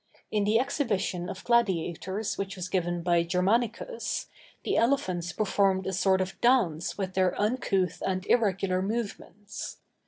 In the exhibition of gladiators which was given by Germanicus, the elephants performed a sort of dance with their uncouth and irregular movements.